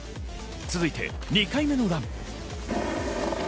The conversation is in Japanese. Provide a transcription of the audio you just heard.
続いて２回目のラン。